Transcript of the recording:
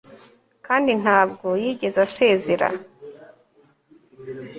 Kandi ntabwo yigeze asezera